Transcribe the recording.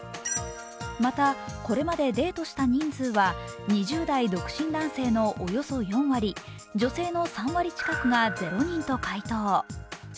また、これまでデートした人数は２０代独身男性のおよそ４割、女性の３割近くが０人と回答。